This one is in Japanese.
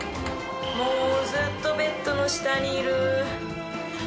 もうずっとベッドの下にいる。